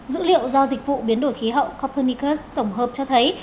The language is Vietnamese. dữ liệu do dịch vụ biến đổi khí hậu coppernicus tổng hợp cho thấy